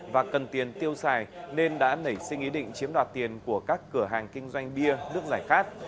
và cần tiền tiêu xài nên đã nảy sinh ý định chiếm đoạt tiền của các cửa hàng kinh doanh bia nước giải khát